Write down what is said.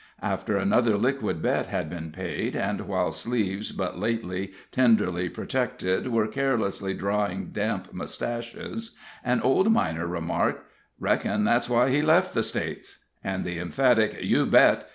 After another liquid bet had been paid, and while sleeves but lately tenderly protected were carelessly drying damp mustaches, an old miner remarked: "Reckon that's why he left the States;" and the emphatic "You bet!"